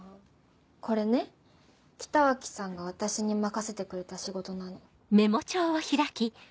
これね北脇さんが私に任せてくれた仕事なの。